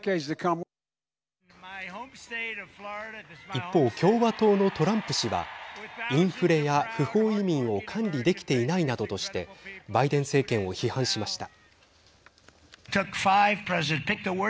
一方、共和党のトランプ氏はインフレや不法移民を管理できていないなどとしてバイデン政権を批判しました。